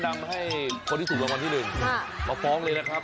ผมแนะนำให้คนที่ถูกรับความที่หนึ่งมาฟ้องเลยนะครับ